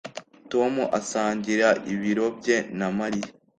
Tom asangira ibiro bye na Mariya